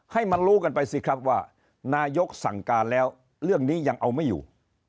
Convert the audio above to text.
ให้มันรู้กันไปสิครับว่านายกสั่งการแล้วเรื่องนี้ยังเอาไม่อยู่